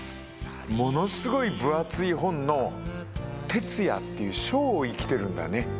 ものすごい分厚い本の鉄矢っていう章を生きてるんだね。